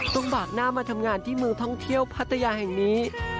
บากหน้ามาทำงานที่เมืองท่องเที่ยวพัทยาแห่งนี้